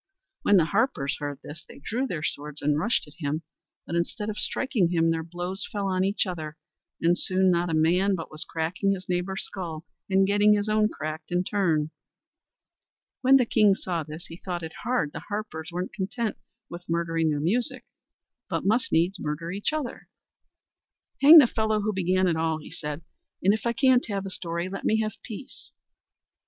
When the harpers heard this, they drew their swords and rushed at him, but instead of striking him, their blows fell on each other, and soon not a man but was cracking his neighbour's skull and getting his own cracked in turn. When the king saw this, he thought it hard the harpers weren't content with murdering their music, but must needs murder each other. "Hang the fellow who began it all," said he; "and if I can't have a story, let me have peace."